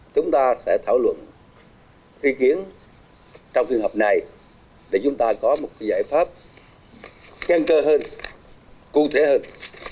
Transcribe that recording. chúng ta sẽ thảo luận ý kiến trong phương hợp này để chúng ta có một giải pháp khen cơ hơn cụ thể hơn